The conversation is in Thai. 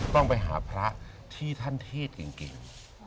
ต้องไปหาพระที่ท่านเทศจริง